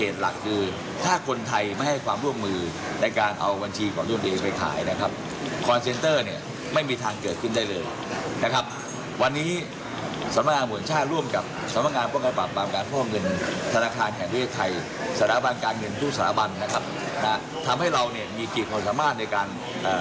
ทุกสถาบันนะครับนะฮะทำให้เราเนี่ยมีกี่คนสามารถในการเอ่อ